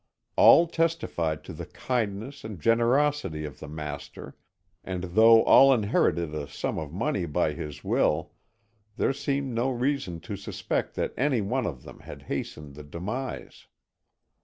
All testified to the kindness and generosity of the master, and though all inherited a sum of money by his will, there seemed no real reason to suspect that any one of them had hastened the demise.